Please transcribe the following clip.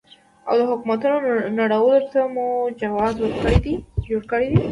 او د حکومتونو نړولو ته مو جواز جوړ کړی دی.